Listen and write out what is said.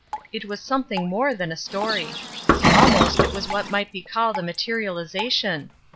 It was somethmg more than a story. Ahnost it wa^ what might be called a materialization.